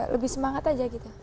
lebih semangat aja gitu